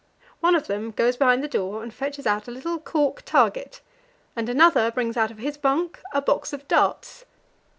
One of them goes behind the door and fetches out a little cork target, and another brings out of his bunk a box of darts.